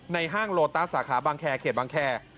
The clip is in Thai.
ห้างโลตัสสาขาบางแคร์เขตบางแคร์